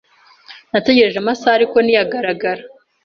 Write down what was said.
Nategereje amasaha, ariko ntiyagaragara.